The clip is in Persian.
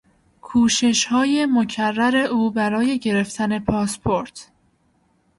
کوششهای مکرر او برای گرفتن پاسپورت